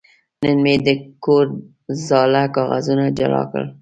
نن مې د کور زاړه کاغذونه جلا کړل.